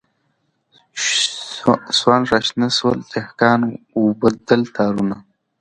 سونډ راشنه سول دهقان و اوبدل تارونه